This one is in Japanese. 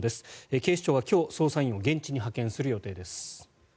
警視庁は今日、捜査員を現地に派遣する予定です。